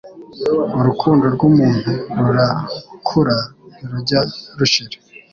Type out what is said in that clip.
urukundo rw'umuntu rura kura nti rujya rushira